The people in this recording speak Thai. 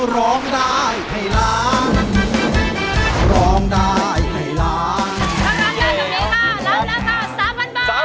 ร้องได้ให้ร้าน